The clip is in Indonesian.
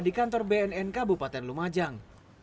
di kantor bnn kabupaten lumajang